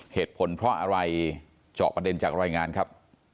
เหตุผลเพราะอะไรเจาะประเด็นจากรายงานครับ